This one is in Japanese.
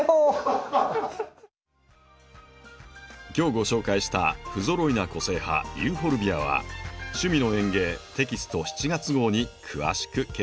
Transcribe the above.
今日ご紹介した「ふぞろいな個性派ユーフォルビア」は「趣味の園芸」テキスト７月号に詳しく掲載されています。